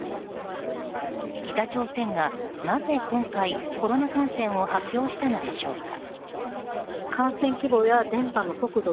北朝鮮がなぜ今回、コロナ感染を発表したのでしょうか。